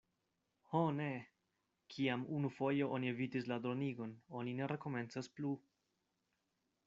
Ho, ne! Kiam unufoje oni evitis la dronigon, oni ne rekomencas plu.